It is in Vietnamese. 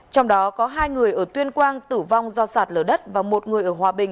trong đó có hai người ở tuyên quang tử vong do sạt lở đất và một người ở hòa bình